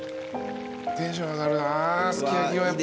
テンション上がるなすき焼きはやっぱり。